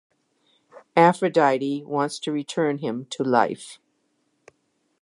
Aphrodite wants to return him to life.